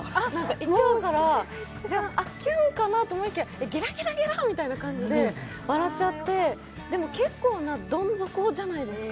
１話から、キュンかなと思いきや、ゲラゲラゲラみたいな感じで笑っちゃってでも結構などん底じゃないですか。